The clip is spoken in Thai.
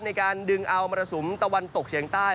ในการดึงเอามรสุมตะวันตกเฉียงใต้